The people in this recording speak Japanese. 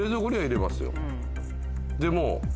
でも。